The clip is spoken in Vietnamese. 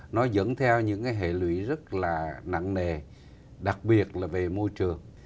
nó dẫn theo những cái hệ lụy rất là nặng nề đặc biệt là về môi trường